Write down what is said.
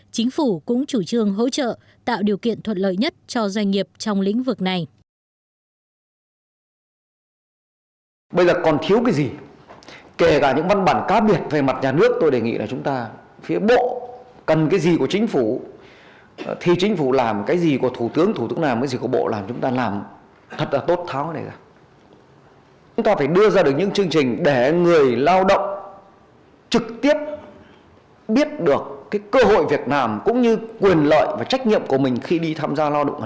chính phủ cũng chủ trương hỗ trợ tạo điều kiện thuật lợi nhất cho doanh nghiệp trong lĩnh vực này